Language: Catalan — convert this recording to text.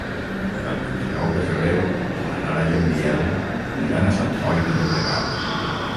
El vint-i-nou de febrer na Nara i en Biel iran a Sant Boi de Llobregat.